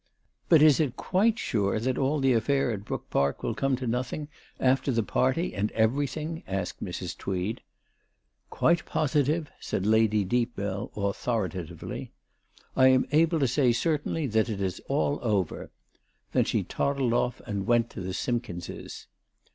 "But is it quite sure that all the affair at Brook Park will come to nothing, after the party and every thing ?" asked Mrs. Tweed. " Quite positive," said Lady Deepbell authoritatively. " I am able to say certainly that that is all over." Then she toddled off and went to the Simkinses.